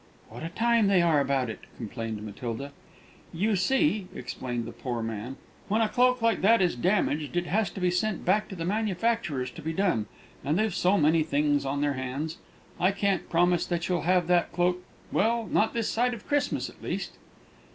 "What a time they are about it!" complained Matilda. "You see," explained the poor man, "when a cloak like that is damaged, it has to be sent back to the manufacturers to be done, and they've so many things on their hands. I couldn't promise that you'll have that cloak well, not this side of Christmas, at least."